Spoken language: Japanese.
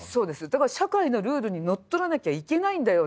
だから社会のルールにのっとらなきゃいけないんだよ。